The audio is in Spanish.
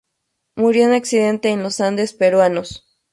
Murió en accidente en los Andes peruanos.